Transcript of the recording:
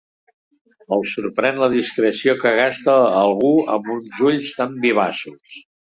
El sorprèn la discreció que gasta algú amb uns ulls tan vivaços.